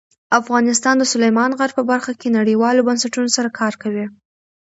افغانستان د سلیمان غر په برخه کې نړیوالو بنسټونو سره کار کوي.